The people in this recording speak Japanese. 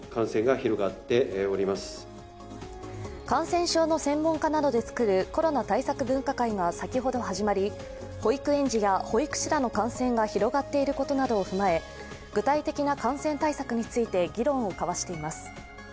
感染症の専門家などで作るコロナ対策分科会が先ほど始まり保育園児や保育士らの感染が広がっていることなどを踏まえ具体的な感染対策について議論を交わしています。